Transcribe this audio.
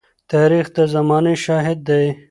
تاریخ د زمانې شاهد دی.